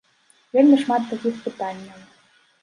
Вельмі шмат такіх пытанняў.